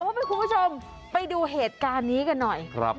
เพราะว่าเพื่อนคุณผู้ชมไปดูเหตุการณ์นี้กันหน่อย